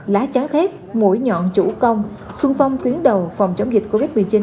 lá chá thép mũi nhọn chủ công xuân phong tuyến đầu phòng chống dịch covid một mươi chín